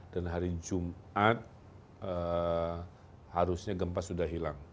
dan hari jumat harusnya gempa sudah hilang